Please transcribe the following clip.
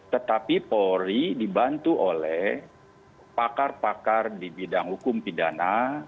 tetapi polri dibantu oleh pakar pakar di bidang hukum pidana